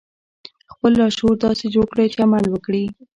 خپل لاشعور داسې جوړ کړئ چې عمل وکړي